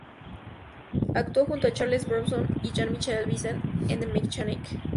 Actuó junto a Charles Bronson y Jan-Michael Vincent en "The Mechanic".